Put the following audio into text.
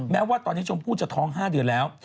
แม้ว่าตอนนี้ชมพู่จะท้อง๕เดือนแล้ว